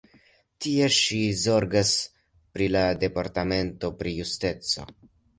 Tie ŝi zorgas pri la Departamento pri Justico.